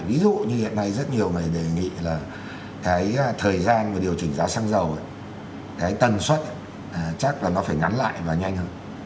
ví dụ như hiện nay rất nhiều người đề nghị là cái thời gian mà điều chỉnh giá xăng dầu cái tần suất chắc là nó phải ngắn lại và nhanh hơn